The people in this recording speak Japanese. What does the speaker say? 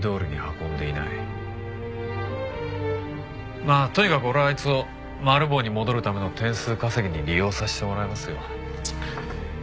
まあとにかく俺はあいつをマル暴に戻るための点数稼ぎに利用させてもらいますよ。